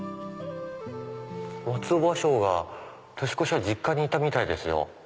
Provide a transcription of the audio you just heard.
松尾芭蕉が年越しは実家にいたみたいですよ。